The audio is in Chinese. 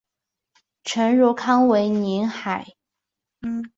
陈汝康为海宁十庙前陈氏迁居后的六代祖。